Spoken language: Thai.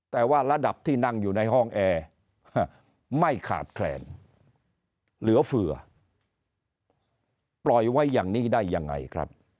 แต่ว่าระดับที่นั่งอยู่ในห้องแอร์ไม่ขาดแคลนเหลือเฟือปล่อยไว้อย่างนี้ได้ยังไงครับ